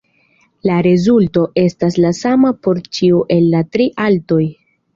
La rezulto estas la sama por ĉiu el la tri altoj.